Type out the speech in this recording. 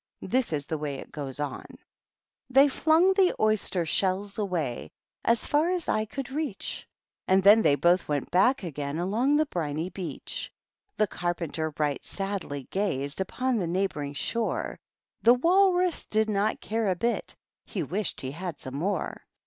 This is the way it goes on : a They flung the oyster shells away As far as eye could reach ; And then they both went back again Along the briny beach. The Carpenter right sadly gazed Upon the neighboring shore: The Walrus did not care a bit; He wished he had some more.